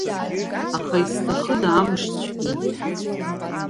Аха изҭахыда амшцәгьа…